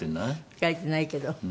書いてないけど。